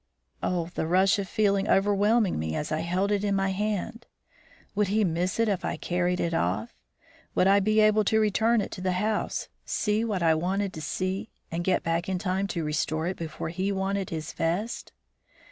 Oh, the rush of feeling overwhelming me as I held it in my hand! Would he miss it if I carried it off? Would I be able to return to the house, see what I wanted to see, and get back in time to restore it before he wanted his vest?